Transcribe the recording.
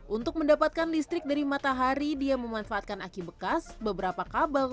untuk mendapatkan listrik dari matahari dia memanfaatkan aki bekas beberapa kabel